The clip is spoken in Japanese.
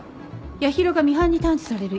八尋がミハンに探知される